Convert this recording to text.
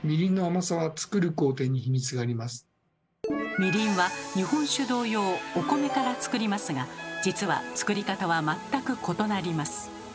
みりんは日本酒同様お米からつくりますが実はつくり方は全く異なります。